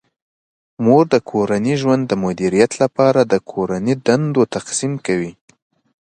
مور د کورني ژوند د مدیریت لپاره د کورني دندو تقسیم کوي.